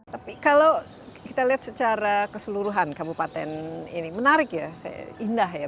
tapi kalau kita lihat secara keseluruhan kabupaten ini menarik ya indah ya